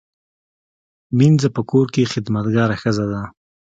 مینځه په کور کې خدمتګاره ښځه ده